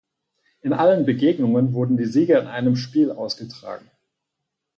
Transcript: In allen Begegnungen wurden die Sieger in einem Spiel ausgetragen.